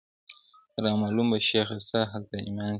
را معلوم به شیخه ستا هلته ایمان سي-